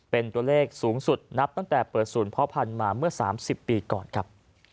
เป็นตัวเลขสูงสุดนับตั้งแต่เปิดศูนย์พ่อพันธุ์มาเมื่อ๓๐ปีก่อนครับ